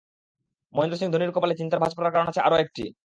মহেন্দ্র সিং ধোনির কপালে চিন্তার ভাঁজ পড়ার কারণ আছে আরও একটি।